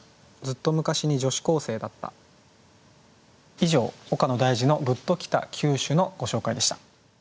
以上「岡野大嗣の“グッときた九首”」のご紹介でした。